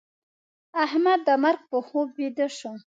احمد د مرګ په خوب ويده شو.